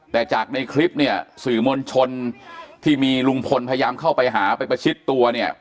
แต่จากในคลิปเนี่ยสื่อมวลชนที่มีลุงพลพยายามเข้าไปหาไปประชิดตัวเนี่ย